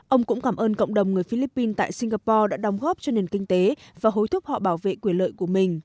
ông cũng cảm ơn cộng đồng người philippines tại singapore đã đóng góp cho nền kinh tế và hối thúc họ bảo vệ quyền lợi của mình